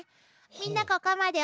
みんなここまでＯＫ？